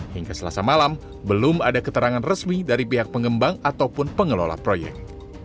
hingga selasa malam belum ada keterangan resmi dari pihak pengembang ataupun pengelola proyek